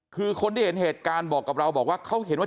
คือคนที่เห็นเหตุการณ์บอกกับเราบอกว่าเขาเห็นว่า